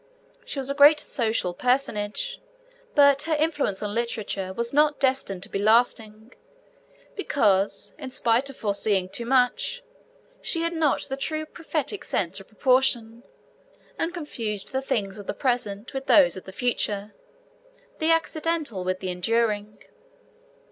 She was a great social personage, but her influence on literature was not destined to be lasting, because, in spite of foreseeing too much, she had not the true prophetic sense of proportion, and confused the things of the present with those of the future the accidental with the enduring.